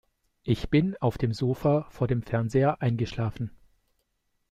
Ich bin auf dem Sofa vor dem Fernseher eingeschlafen.